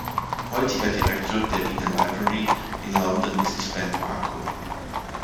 Heutiger Direktor der "Wiener Library" in London ist Ben Barkow.